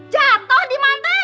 jatuh diman tuh